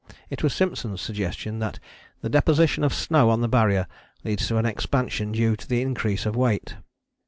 It was Simpson's suggestion that "the deposition of snow on the Barrier leads to an expansion due to the increase of weight."